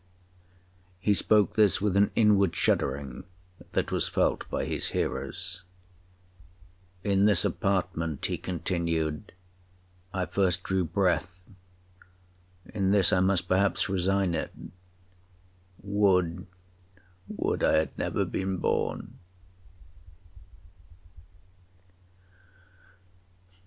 He spoke this with an inward shuddering, that was felt by his hearers. 'In this apartment,' he continued, 'I first drew breath, in this I must perhaps resign it,—would—would I had never been born!